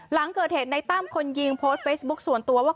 หลังเกิดเหตุในตั้มคนยิงโพสต์เฟซบุ๊คส่วนตัวว่า